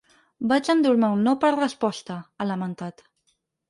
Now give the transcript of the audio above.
Vaig endur-me un “no” per resposta, ha lamentat.